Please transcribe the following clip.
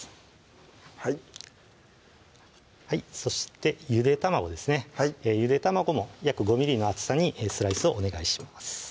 はいそしてゆで卵ですねはいゆで卵も約５ｍｍの厚さにスライスをお願いします